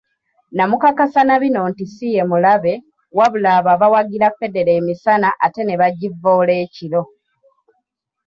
Namukakasa na bino nti si ye mulabe, wabula abo abawagira Federo emisana ate ne bagivvoola ekiro.